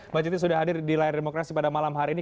mbak citi sudah hadir di layar demokrasi pada malam hari ini